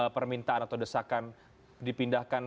permintaan atau desakan dipindahkan